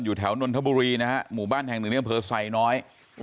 อยู่แถวนนทบุรีนะฮะหมู่บ้านแห่งหนึ่งนี้ก็เผยใส่น้อย